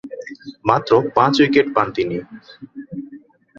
মাত্র পাঁচ উইকেট পান তিনি।